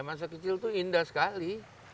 masa kecil itu indah sekali